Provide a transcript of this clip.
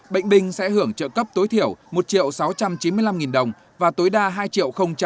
bệnh binh sẽ hưởng trợ cấp tối thiểu một sáu trăm chín mươi năm đồng và tối đa hai tám mươi sáu đồng